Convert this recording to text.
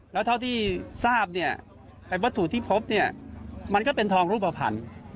แล้วเท่าที่ทราบเนี่ยไอ้วัตถุที่พบเนี่ยมันก็เป็นทองรูปภัณฑ์